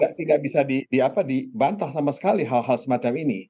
tidak bisa dibantah sama sekali hal hal semacam ini